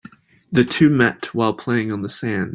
The two met while playing on the sand.